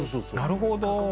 なるほど。